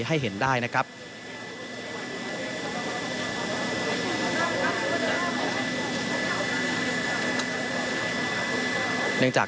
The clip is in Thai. เขาก็ไม่คงเพิ่มสะดวก